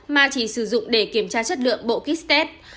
mà chỉ sử dụng để kiểm tra chất lượng bộ kit test